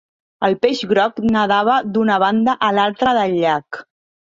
El peix groc nadava d'una banda a l'altra del llac.